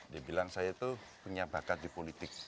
dia bilang saya itu punya bakat di politik